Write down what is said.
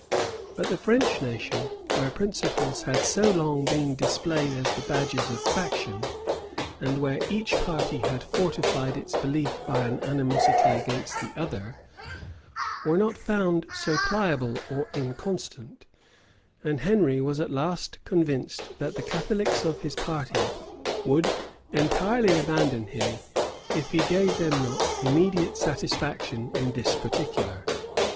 But the French nation, where principles had so long been displayed as the badges of faction, and where each party had fortified its belief by an animosity against the other, were not found so pliable or inconstant; and Henry was at last convinced that the Catholics of his party would entirely abandon him, if he gave them not immediate satisfaction in this particular.